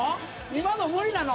今の無理なの？